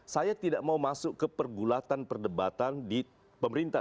saya tidak mau masuk ke pergulatan perdebatan di pemerintah